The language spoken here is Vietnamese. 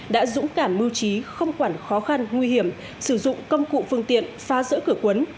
đã dũng cảm mưu trí không quản khó khăn nguy hiểm sử dụng công cụ phương tiện phá rỡ cửa quấn